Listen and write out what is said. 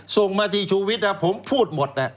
ส่งมาที่ชุวิตครับผมพูดหมดน่ะ